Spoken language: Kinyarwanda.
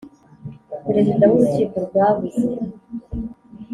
Perezida w Urukiko rwabuze